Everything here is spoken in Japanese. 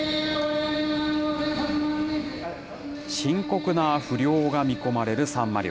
深刻な不漁が見込まれるサンマ漁。